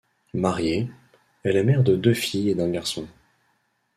Mariée, elle est mère de deux filles et d'un garçon.